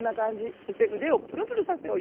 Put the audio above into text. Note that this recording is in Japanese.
そしてうでをぷるぷるさせよう。